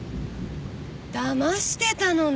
だましてたのね。